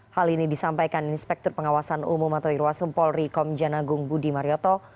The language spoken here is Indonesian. hal ini disampaikan inspektur pengawasan umum atau irwasum polri komjanagung budi marioto